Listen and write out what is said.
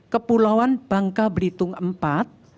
kepulauan bangka belitung iv